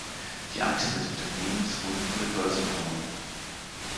Die Aktien des Unternehmens wurden von der Börse genommen.